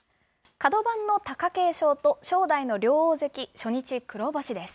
角番の貴景勝と正代の両大関、初日黒星です。